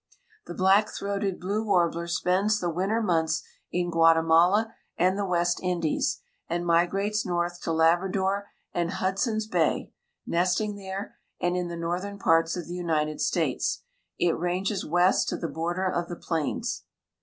The black throated blue warbler spends the winter months in Guatemala and the West Indies, and migrates north to Labrador and Hudson's Bay, nesting there and in the northern parts of the United States. It ranges west to the border of the plains.